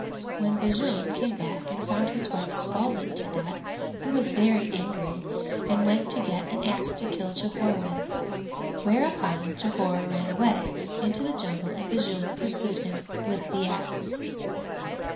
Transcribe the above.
When Bajun came back and found his wife scalded to death he was very angry and went to get an axe to kill Jhore with; thereupon Jhore ran away into the jungle and Bajun pursued him with the axe.